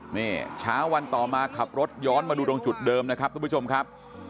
นี่เช้าวันต่อมาขับรถย้อนมาดูตรงจุดเดิมนะครับทุกผู้ชมครับ